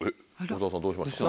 小澤さんどうしました？